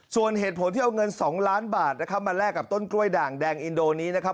ส่วนเหตุผลที่เอาเงิน๒ล้านบาทนะครับมาแลกกับต้นกล้วยด่างแดงอินโดนี้นะครับ